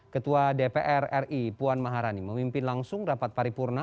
ketua dpr ri puan maharani memimpin langsung rapat paripurna